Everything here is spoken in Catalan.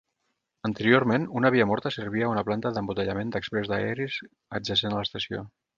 Anteriorment, una via morta servia a una planta d'embotellament d'Express Dairies adjacent a l'estació.